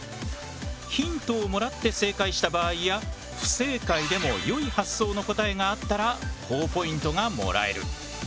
ヒントをもらって正解した場合や不正解でも良い発想の答えがあったらほぉポイントがもらえる。